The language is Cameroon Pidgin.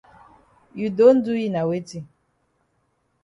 You don do yi na weti?